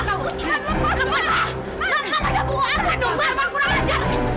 lepas kamu ah